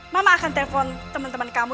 mama akan telepon temen temen kamu